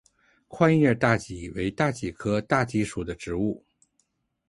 宽叶大戟为大戟科大戟属的植物。